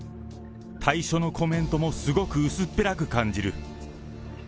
退所のコメントも、すごく薄っぺらく感じる。